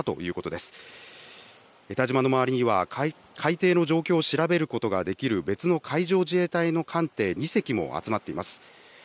たじまの周りには海底の状況を調べることができる別の海上自衛隊の艦艇２隻も集まっています。